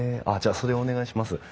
あっじゃあそれお願いします。